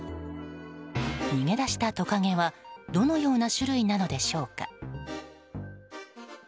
逃げ出したトカゲはどのような種類なのでしょうか。